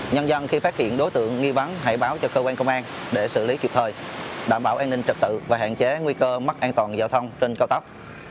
nhân dân khi phát hiện đối tượng nghi vấn hãy báo cho cơ quan công an để xử lý kịp thời đảm bảo an ninh trật tự và hạn chế nguy cơ mất an toàn giao thông trên cao tốc